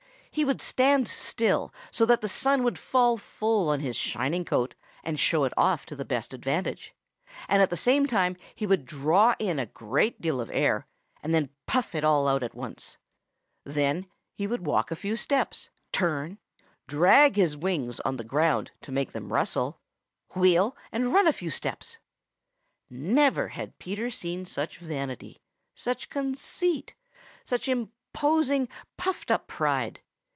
He would stand still so that the sun would fall full on his shining coat and show it off to the best advantage, and at the same time he would draw in a great deal of air and then puff it out all at once. Then he would walk a few steps, turn, drag his wings on the ground to make them rustle, wheel, and run a few steps. Never had Peter seen such vanity, such conceit, such imposing, puffed up pride.